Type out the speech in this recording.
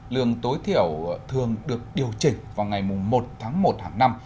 lương tối thiểu thường được điều chỉnh vào ngày một tháng một hàng năm